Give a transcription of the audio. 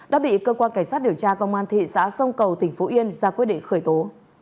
đã bị cơ quan cảnh sát điều tra công an thị xã sông cầu tỉnh phú yên ra quyết định khởi tố